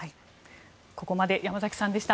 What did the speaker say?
ここまで山崎さんでした。